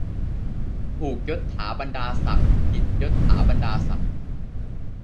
ถูก ยศถาบรรดาศักดิ์ ผิด ยศฐาบรรดาศักดิ์